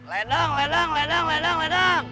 ledang ledang ledang ledang ledang